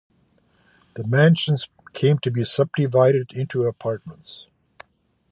The mansions came to be subdivided into apartments.